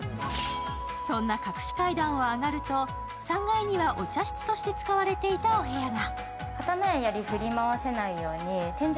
そんな隠し階段を上がると３階にはお茶室として使われていたお部屋が。